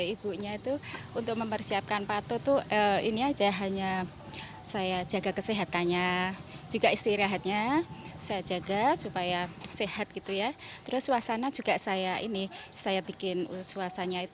ibu nda pato menunggu putranya ujian